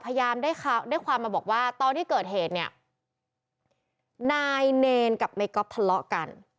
ได้ความมาบอกว่าตอนที่เกิดเหตุเนี่ยนายเนรกับนายก๊อฟทะเลาะกัน